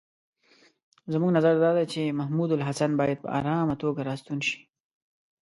زموږ نظر دا دی چې محمودالحسن باید په آرامه توګه را ستون شي.